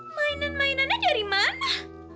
mainan mainannya dari mana